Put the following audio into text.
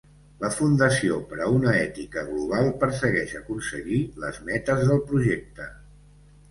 La Fundació per a una Ètica Global persegueix aconseguir les metes del projecte.